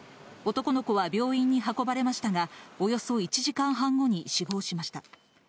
男の子は病院に運ばれましたが、およそ１時間半後に死亡しました。